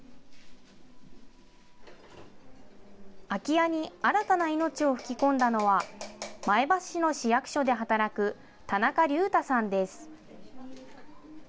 空き家に新たな命を吹き込んだのは、前橋市の市役所で働く田中隆太さんです。